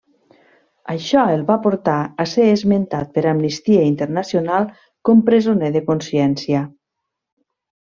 Això el va portar a ser esmentat per Amnistia Internacional com presoner de consciència.